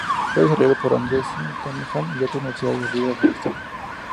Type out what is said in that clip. Fue desarrollado por Andrew S. Tanenbaum y otros en la Universidad Libre de Ámsterdam.